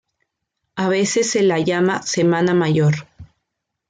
A veces se la llama Semana Mayor.